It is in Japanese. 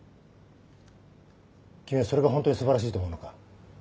君はそれが本当に素晴らしいと思うのか？